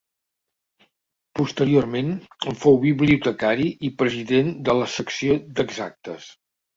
Posteriorment en fou bibliotecari i president de la Secció d'Exactes.